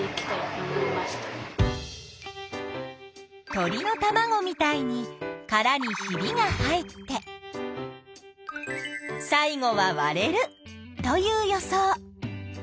鳥のたまごみたいにカラにひびが入って最後はわれるという予想。